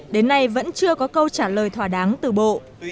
đến nay vẫn chưa có câu trả lời thỏa đáng từ bộ